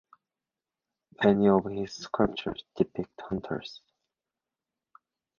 Many of his sculptures depict hunters.